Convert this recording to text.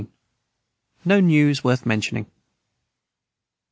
No news worth mentioning.